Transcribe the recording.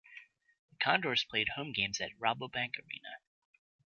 The Condors played home games at Rabobank Arena.